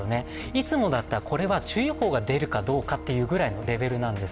いつもだったらこれは注意報が出るかどうかっていうくらいのレベルなんです。